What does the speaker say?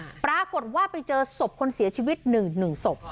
ปรากฏว่าไปเจอศพคนเสียชีวิตหนึ่งหนึ่งศพ